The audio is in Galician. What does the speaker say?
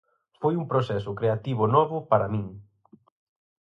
Foi un proceso creativo novo para min.